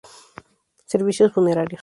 Servicios funerarios.